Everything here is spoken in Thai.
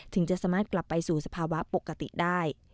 จะสามารถกลับไปสู่สภาวะปกติได้